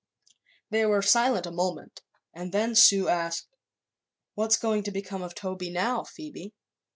They were silent a moment and then Sue asked: "What's going to become of Toby now, Phoebe?"